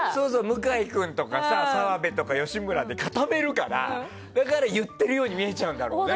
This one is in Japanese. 向君とか澤部佑とか吉村で固めるからだから言ってるように見えちゃうんだよね。